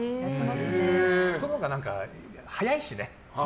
そのほうが、早いしね。